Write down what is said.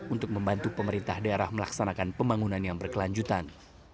untuk membantu pemerintah daerah melaksanakan pembangunan yang berkelanjutan